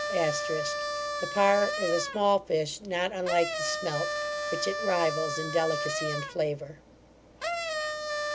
* The par is a small fish, not unlike the smelt, which it rivals in delicacy and flavour.